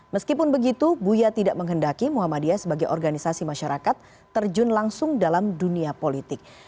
meskipun begitu buya tidak menghendaki muhammadiyah sebagai organisasi masyarakat terjun langsung dalam dunia politik